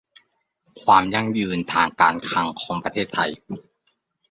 ความยั่งยืนทางการคลังของประเทศ